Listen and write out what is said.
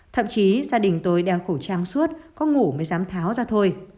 thậm chí gia đình tôi đeo khẩu trang suốt có ngủ mới dám tháo ra thôi